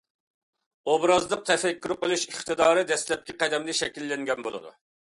ئوبرازلىق تەپەككۇر قىلىش ئىقتىدارى دەسلەپكى قەدەمدە شەكىللەنگەن بولىدۇ.